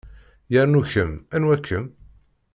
Yernu kemm anwa-kem?